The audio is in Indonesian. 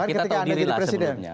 ketika anda jadi presiden